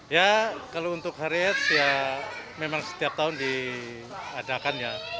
ya kalau untuk hari at ya memang setiap tahun diadakan ya